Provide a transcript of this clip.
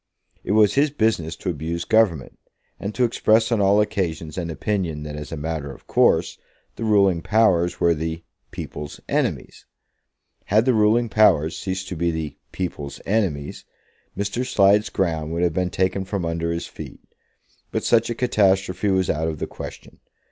It was his business to abuse Government, and to express on all occasions an opinion that as a matter of course the ruling powers were the "people's enemies." Had the ruling powers ceased to be the "people's enemies," Mr. Slide's ground would have been taken from under his feet. But such a catastrophe was out of the question.